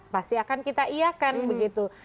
pasti akan kita iakan begitu